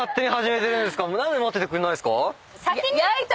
何で待っててくれないんすか？